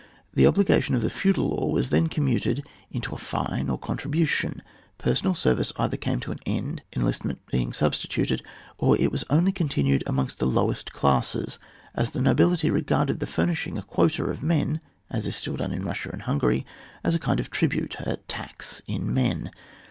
The obligation of the feudal law was then commuted into a fine or contribu tion : personal service either came to an end, enlistment being substituted, or it was only continued amongst the lowest classes, as the nobility regarded the fur nishing a quota of men (as is still done in Kussia and Hungary) as a kind of tribute, a tax in men.